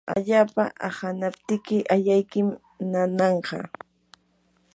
allapa ahanaptiki ayaykim nananqa.